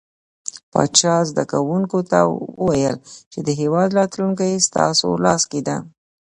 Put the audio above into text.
پاچا زده کوونکو ته وويل چې د هيواد راتلونکې ستاسو لاس کې ده .